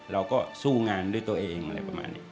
เราก็สู้งานด้วยตัวเองอะไรประมาณนี้